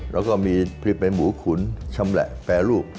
เราก็มีผลิตเป็นหมูขุนชำแหละแปลลูก